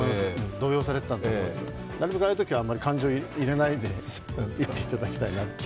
動揺されていたと思うんですけど、なるべくああいうときは、あまり感情を入れないで言っていただききたいと思います。